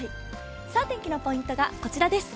天気のポイントがこちらです。